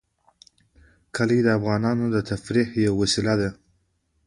کلي د افغانانو د تفریح یوه وسیله ده.